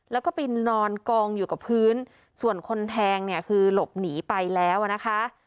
แล้วก็ไปนอนกองอยู่กับพื้นส่วนคนแทงเนี่ยคือหลบหนีไปแล้วอ่ะนะคะ